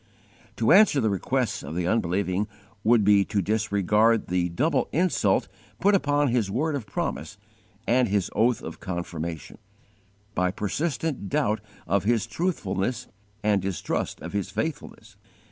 To answer the requests of the unbelieving would be to disregard the double insult put upon His word of promise and His oath of confirmation, by persistent doubt of His truthfulness and distrust of His faithfulness.